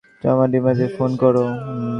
Trauma ডিপার্টমেন্টে phone করো।